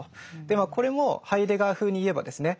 でまあこれもハイデガー風に言えばですね